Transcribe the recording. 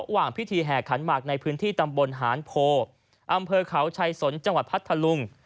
ว่างพิธีแห่ขันหมากในพื้นที่ตำบลหานโพอำเภอเขาชัยสนจังหวัดพัทธลุง